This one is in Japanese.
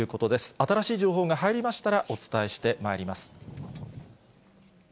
新しい情報が入りましたらお伝えしてまいります。